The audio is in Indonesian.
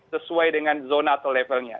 sesuai dengan zona atau levelnya